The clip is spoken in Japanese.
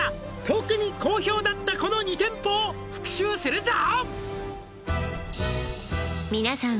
「特に好評だったこの２店舗を復習するぞ！」